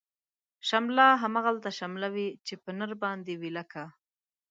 شمله هغلته شمله وی، چی په نر باندی وی لکه